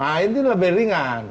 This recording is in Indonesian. nah ini lebih ringan